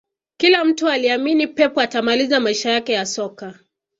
Kila mtu aliamini pep atamaliza maisha yake ya soka